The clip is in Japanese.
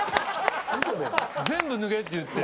全部脱げって言って。